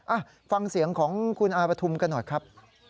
อ่ะฟังเสียงของคุณอาปฐุมกันหน่อยครับ